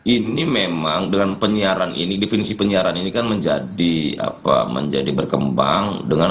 ini memang dengan penyiaran ini definisi penyiaran ini kan menjadi apa menjadi berkembang dengan